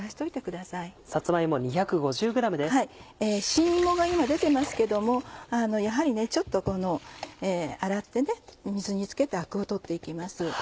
新芋が今出てますけどもやはりちょっと洗って水につけてアクを取って行きます。